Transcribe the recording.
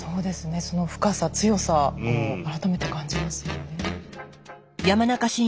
その深さ強さを改めて感じますよね。